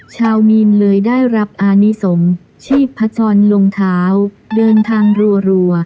ชาวมีนเลยได้รับอานิสงฆ์ชีพจรลงเท้าเดินทางรัว